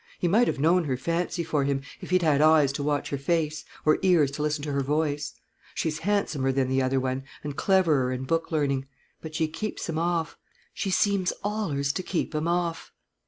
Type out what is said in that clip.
He might have known her fancy for him, if he'd had eyes to watch her face, or ears to listen to her voice. She's handsomer than the other one, and cleverer in book learning; but she keeps 'em off she seems allers to keep 'em off."